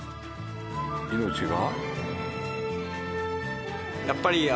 命が？